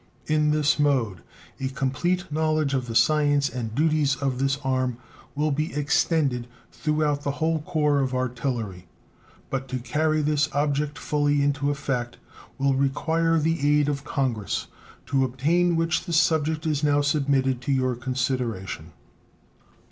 In this mode a complete knowledge of the science and duties of this arm will be extended throughout the whole corps of artillery. But to carry this object fully into effect will require the aid of Congress, to obtain which the subject is now submitted to your consideration.